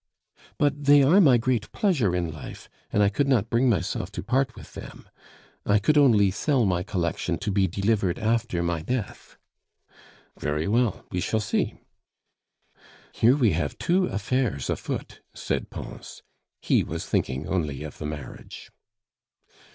"But they are my great pleasure in life, and I could not bring myself to part with them. I could only sell my collection to be delivered after my death." "Very well. We shall see." "Here we have two affairs afoot!" said Pons; he was thinking only of the marriage.